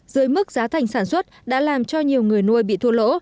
dưới mức giá thành sản xuất đã làm cho nhiều người nuôi bị thua lỗ